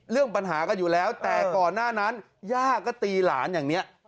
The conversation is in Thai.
เรื่องปัญหากันอยู่แล้วแต่ก่อนหน้านั้นย่าก็ตีหลานอย่างนี้